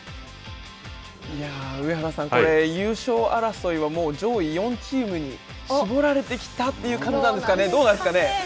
上原さん、優勝争いはもう上位４チームに絞られてきたっていう感じなんですかね、どうなんですかね。